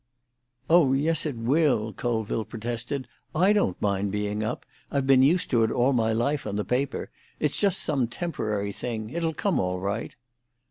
"Oh yes, it will," Colville protested. "I don't mind being up. I've been used to it all my life on the paper. It's just some temporary thing. It'll come all right."